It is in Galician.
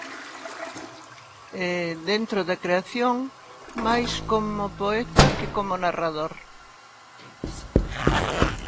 E, dentro da creación, máis como poeta que como narrador.